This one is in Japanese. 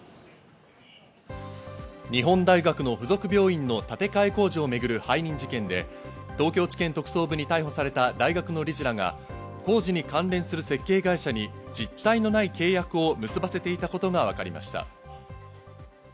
日本大学の付属病院の建て替え工事を巡る背任事件で、東京地検特捜部に逮捕された大学の理事らが工事に関連する設計会社に実体のない契約を結ばせていたことがわかりました。